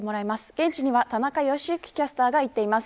現地には田中良幸キャスターが行っています。